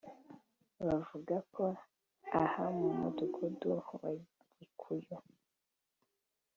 bavuga ko aha mu mudugudu wa Gikuyu